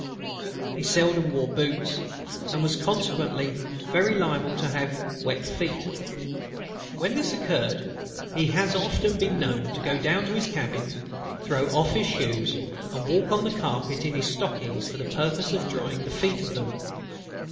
He seldom wore boots, and was consequently very liable to have his feet wet. When this occurred he has often been known to go down to his cabin, throw off his shoes, and walk on the carpet in his stockings for the purpose of drying the feet of them.